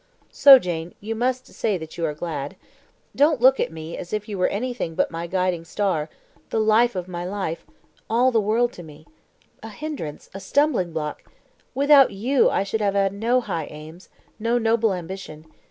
So, Jane, you must say that you are glad. Don't look as if you were anything but my guiding star the life of my life all the world to me. A hindrance, a stumbling block! Without you I should have had no high aims, no noble ambition.